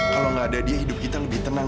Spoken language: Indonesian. kalau nggak ada dia hidup kita lebih tenang